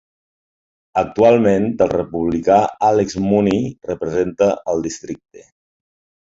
Actualment, el republicà Alex Mooney representa el districte.